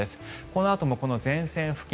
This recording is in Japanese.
このあとも前線付近